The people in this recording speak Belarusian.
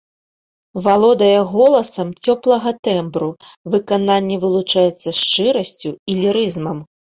Валодае голасам цёплага тэмбру, выкананне вылучаецца шчырасцю і лірызмам.